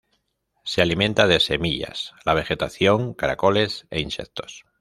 Se alimenta de semillas, la vegetación, caracoles e insectos.